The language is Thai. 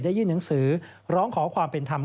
ยื่นหนังสือร้องขอความเป็นธรรม